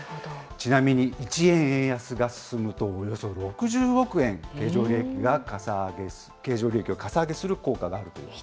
ちなみに１円円安が進むと、およそ６０億円経常利益をかさ上げする効果があるという。